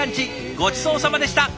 ごちそうさまでした！